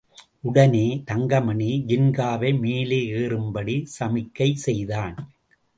உடனே தங்கமணி ஜின்காவை மேலே ஏறும்படி சமிக்கை செய்தான்.